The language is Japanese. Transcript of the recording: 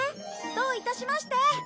どういたしまして！